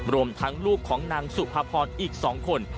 รวมทั้งลูกของนางสุภาพรอีก๒คน